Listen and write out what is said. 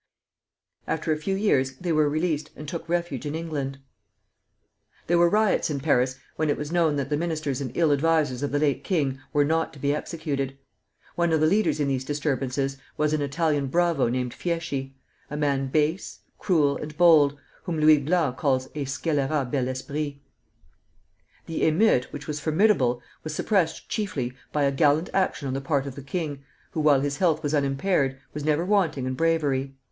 After a few years they were released, and took refuge in England. There were riots in Paris when it was known that the ministers and ill advisers of the late king were not to be executed; one of the leaders in these disturbances was an Italian bravo named Fieschi, a man base, cruel, and bold, whom Louis Blanc calls a scélérat bel esprit. The émeute which was formidable, was suppressed chiefly by a gallant action on the part of the king, who, while his health was unimpaired, was never wanting in bravery.